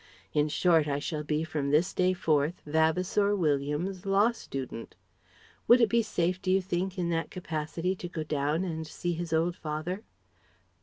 In short, I shall be from this day forth Vavasour Williams, law student! Would it be safe, d'you think, in that capacity to go down and see his old father?"